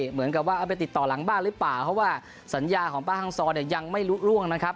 เหมือนกับว่าเอาไปติดต่อหลังบ้านหรือเปล่าเพราะว่าสัญญาของป้าฮังซอเนี่ยยังไม่รู้ล่วงนะครับ